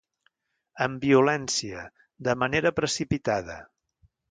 Amb violència, de manera precipitada.